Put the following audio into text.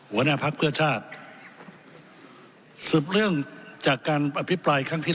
หัวหน้าพักเพื่อชาติสืบเนื่องจากการอภิปรายครั้งที่